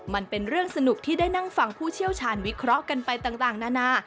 มันเป็นเรื่องสนุกที่ได้นั่งฟังผู้เชี่ยวชาญวิเคราะห์กันไปต่างนานา